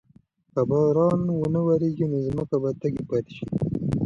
که باران ونه وریږي نو ځمکه به تږې پاتې شي.